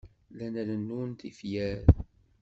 Llan rennun tifyar.